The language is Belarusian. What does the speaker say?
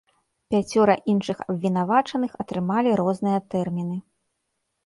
Пяцёра іншых абвінавачаных атрымалі розныя тэрміны.